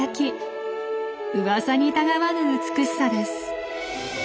うわさにたがわぬ美しさです。